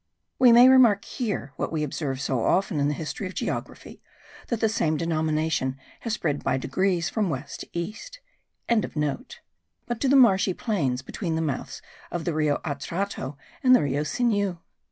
We may remark here, what we observe so often in the history of geography, that the same denomination has spread by degrees from west to east.) but to the marshy plains between the mouths of the Rio Atrato and the Rio Sinu.